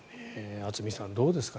渥美さん、どうですか？